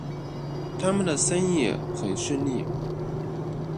他们的生意很顺利